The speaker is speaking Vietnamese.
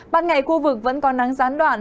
bạn ngày khu vực vẫn có nắng gián đoạn